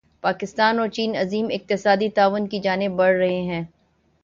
پاکستان اور چین عظیم اقتصادی تعاون کی جانب بڑھ رہے ہیں